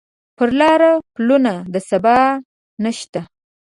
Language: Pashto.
پر لاره پلونه د سبا نشته